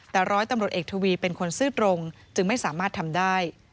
แต่ร้อยตำรวจเอกทวีเป็นคนซื่อตรงจึงไม่สามารถทำได้